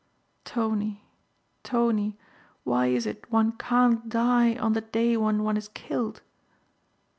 Tony, Tony, why is it one can't die on the day when one is killed?"